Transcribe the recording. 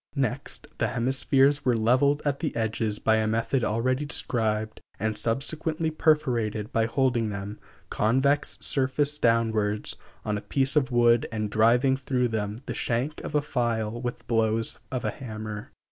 Next the hemispheres were leveled at the edges by a method already described, and subsequently perforated by holding them, convex surface downwards, on a piece of wood, and driving through them the shank of a file with blows of a hammer.